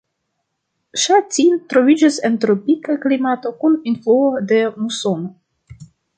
Ŝa Tin troviĝas en tropika klimato kun influo de musono.